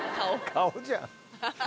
顔じゃん。